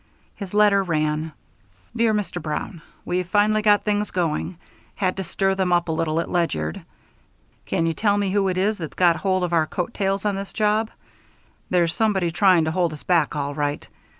His letter ran: DEAR MR. BROWN: We've finally got things going. Had to stir them up a little at Ledyard. Can you tell me who it is that's got hold of our coat tails on this job? There's somebody trying to hold us back, all right.